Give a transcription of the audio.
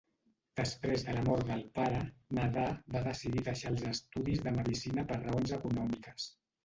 Després de la mort del pare, Nadar va decidir deixar els estudis de medicina per raons econòmiques.